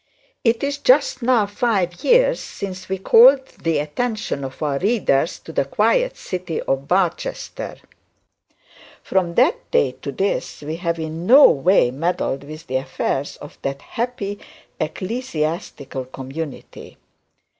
"It is just now five years since we called the attention of our readers to the quiet city of Barchester. From that day to this, we have in no way meddled with the affairs of that happy ecclesiastical community.